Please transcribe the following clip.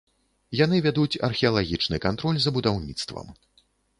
Яны вядуць археалагічны кантроль за будаўніцтвам.